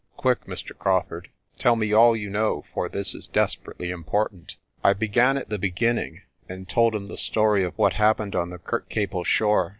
Quick, Mr. Crawfurd, tell me all you know, for this is desperately important." I began at the beginning, and told him the story of what happened on the Kirkcaple shore.